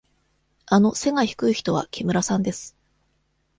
あの背が低い人は木村さんです。